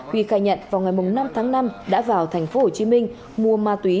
huy khai nhận vào ngày năm tháng năm đã vào thành phố hồ chí minh mua ma túy